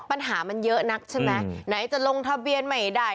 ปัญหามันเยอะนักใช่ไหมไหนจะลงทะเบียนไม่ได้